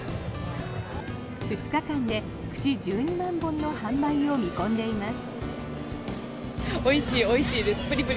２日間で串１２万本の販売を見込んでいます。